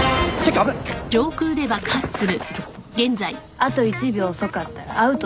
あと１秒遅かったらアウトだった。